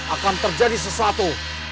akan terjadi sesatu